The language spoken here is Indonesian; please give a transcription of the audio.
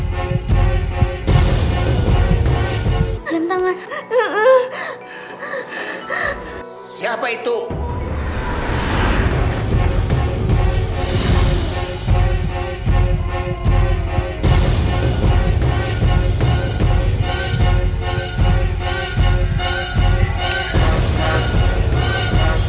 terus kita bilang kalo kita disini mau cari kucing